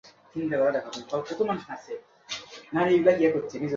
তোমাকে আর একা থাকতে হবে না।